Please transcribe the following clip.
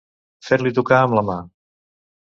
Fer-li tocar amb la mà.